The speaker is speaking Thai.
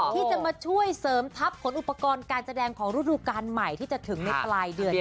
ที่จะมาช่วยเสริมทัพขนอุปกรณ์การแสดงของฤดูการใหม่ที่จะถึงในปลายเดือน